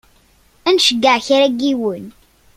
Ad nceyyeɛ kra n yiwen.